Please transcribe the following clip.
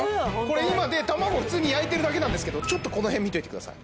今卵を普通に焼いてるだけなんですけどちょっとこの辺見といてください